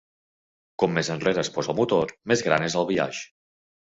Com més enrere es posa el motor, més gran és el biaix.